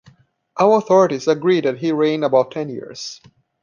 All authorities agree that he reigned about ten years.